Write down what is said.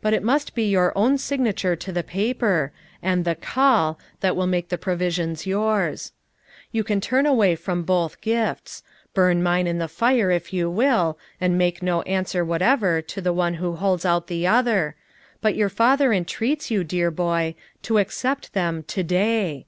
But it must be your own signature to the paper, and the call that will make the pro visions yours. You can turn away from both FOUR MOTHERS AT CHAUTAUQUA 347 gifts; burn mine in the fire if you will, and make no answer whatever to the One who holds out the other, but your father entreats you, dear boy, to accept them lo day.